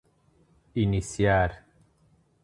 Iniciar